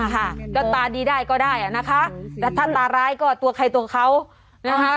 ค่ะก็ตาดีได้ก็ได้อ่ะนะคะแต่ถ้าตาร้ายก็ตัวใครตัวเขานะคะ